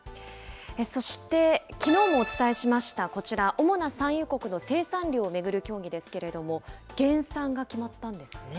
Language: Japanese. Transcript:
そしてきのうもお伝えしましたこちら、主な産油国の生産量を巡る協議ですけれども、減産が決まったんですね。